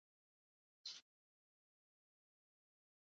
په ټولو ډګرونو کې یې ژور تغییرات تجربه کړي.